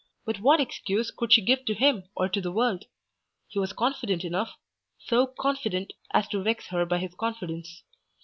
But what excuse could she give to him or to the world? He was confident enough, so confident as to vex her by his confidence.